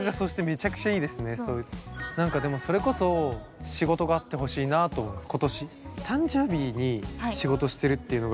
何かでもそれこそ仕事があってほしいなと思います今年。